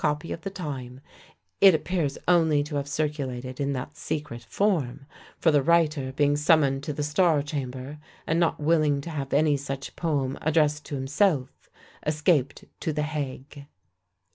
copy of the time; it appears only to have circulated in that secret form, for the writer being summoned to the Star chamber, and not willing to have any such poem addressed to himself, escaped to the Hague.